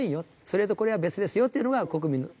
「それとこれは別ですよ」っていうのが国民の。